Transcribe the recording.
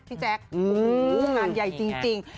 พี่แจ๊คงานใหญ่จริง